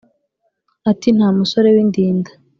ati " nta musore w' indinda